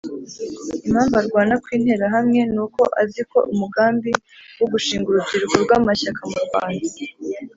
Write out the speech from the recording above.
Impamvu arwana ku Interahamwe ni uko azi ko umugambi wo gushinga urubyiruko rw'Amashyaka mu Rwanda